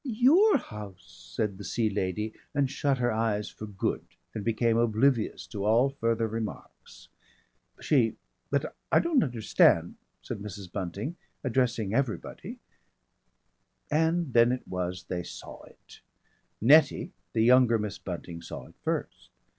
"Your house," said the Sea Lady, and shut her eyes for good and became oblivious to all further remarks. "She But I don't understand " said Mrs. Bunting, addressing everybody.... And then it was they saw it. Nettie, the younger Miss Bunting, saw it first.